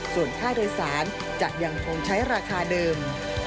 ส่วนค่าโดยสารจะยังคงใช้ราคาเดิม